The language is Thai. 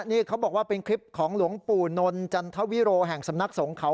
นี่เขาบอกว่าเป็นคลิปของหลวงปู่นนจันทวิโรแห่งสำนักสงเขา